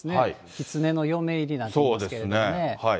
きつねの嫁入りなんていいますけどね。